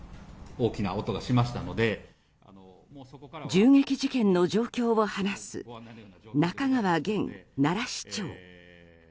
銃撃事件の状況を話す仲川げん奈良市長。